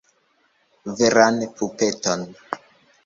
Veran pupeton.